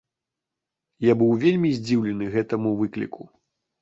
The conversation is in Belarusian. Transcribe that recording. Я быў вельмі здзіўлены гэтаму выкліку.